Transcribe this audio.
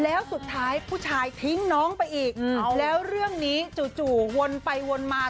แล้วสุดท้ายผู้ชายทิ้งน้องไปอีกแล้วเรื่องนี้จู่วนไปวนมา